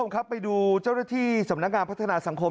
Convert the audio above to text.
ครับไปดูเจ้าหน้าที่สำนักงานพัฒนาสังคม